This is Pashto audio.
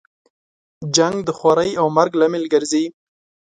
جنګ د خوارۍ او مرګ لامل ګرځي.